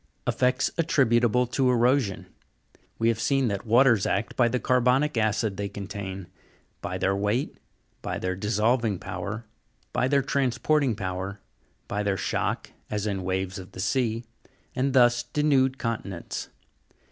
EFFECTS ATTRIBUTABLE TO EROSION. We have seen that waters act by the carbonic acid they contain ; by their Weight; by their dissolving power; by their transporting power; by their shock, as in waves of the sea, and thus denude continents.